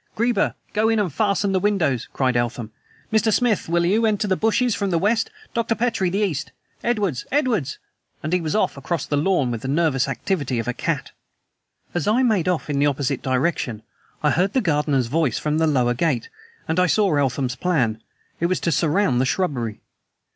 "Greba, go in and fasten the windows," cried Eltham. "Mr. Smith, will you enter the bushes from the west. Dr. Petrie, east. Edwards, Edwards " And he was off across the lawn with the nervous activity of a cat. As I made off in an opposite direction I heard the gardener's voice from the lower gate, and I saw Eltham's plan. It was to surround the shrubbery.